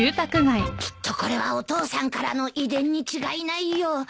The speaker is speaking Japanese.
きっとこれはお父さんからの遺伝に違いないよ。